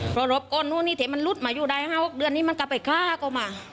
เพราะรบก้อนนู้นนี่ที่มันหลุดมาอยู่ได้๕๖เดือนนี้มันก็ไปฆ่าก็มา